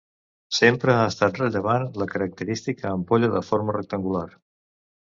Sempre ha estat rellevant la característica ampolla de forma rectangular.